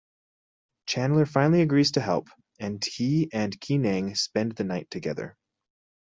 Chandler finally agrees to help, and he and Kee Nang spend the night together.